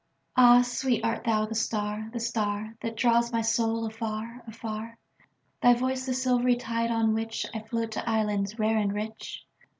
Ah, sweet, art thou the star, the starThat draws my soul afar, afar? Thy voice the silvery tide on whichI float to islands rare and rich?